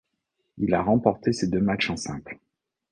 Il a remporté ses deux matchs en simple.